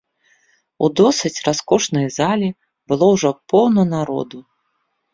У досыць раскошнай зале было ўжо поўна народу.